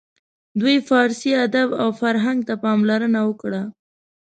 دوی فارسي ادب او فرهنګ ته پاملرنه وکړه.